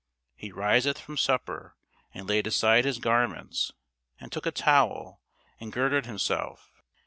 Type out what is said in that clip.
He riseth from supper, and laid aside his garments; and took a towel, and girded himself.